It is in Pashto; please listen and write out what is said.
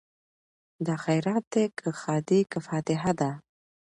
دا خیرات دی که ښادي که فاتحه ده